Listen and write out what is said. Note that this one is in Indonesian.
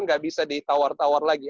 nggak bisa ditawar tawar lagi